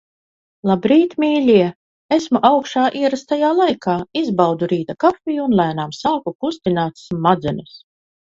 Labrīt, mīļie! Esmu augšā ierastajā laikā, izbaudu rīta kafiju un lēnām sāku kustināt smadzenes.